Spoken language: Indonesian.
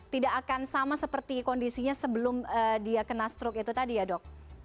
tidak akan sama seperti kondisinya sebelum dia kena struk itu tadi ya dok